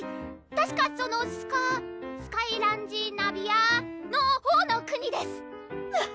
たしかそのスカスカイランディナビアのほうの国ですわっ！